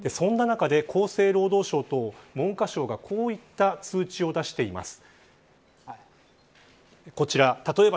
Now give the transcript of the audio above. こうした中で、厚生労働省と文科省がこういった通知を出しています。